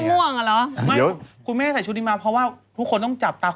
ไม่คุณแม่ใส่ชุดนี้มาเพราะว่าทุกคนต้องจับตาคุณแม่